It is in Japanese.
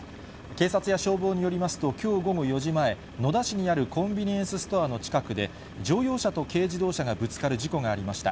警察や消防によりますと、きょう午後４時前、野田市にあるコンビニエンスストアの近くで、乗用車と軽自動車がぶつかる事故がありました。